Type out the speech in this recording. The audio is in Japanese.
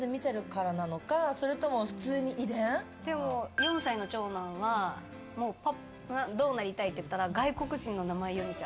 ４歳の長男はどうなりたいって言ったら外国人の名前を言うんですよ。